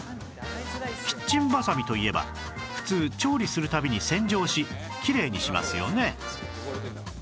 キッチンバサミといえば普通調理する度に洗浄しきれいにしますよね